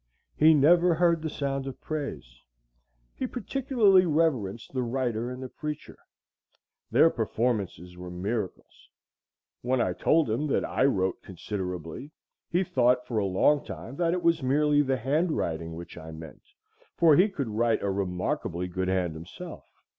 He never heard the sound of praise. He particularly reverenced the writer and the preacher. Their performances were miracles. When I told him that I wrote considerably, he thought for a long time that it was merely the handwriting which I meant, for he could write a remarkably good hand himself.